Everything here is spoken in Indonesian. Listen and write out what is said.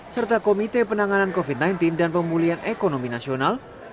serta komite penanganan covid sembilan belas dan pemulihan ekonomi nasional